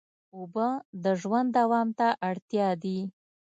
اوبه د ژوند دوام ته اړتیا دي.